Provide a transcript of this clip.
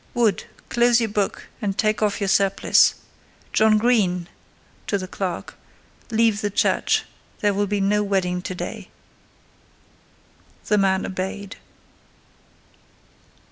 Wood, close your book and take off your surplice; John Green (to the clerk), leave the church: there will be no wedding to day." The man obeyed.